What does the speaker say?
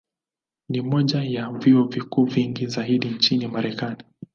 Ni moja ya vyuo vikuu vingi zaidi nchini Marekani.